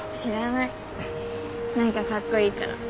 なんかかっこいいから。